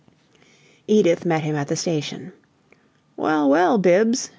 Edith met him at the station. "Well, well, Bibbs!"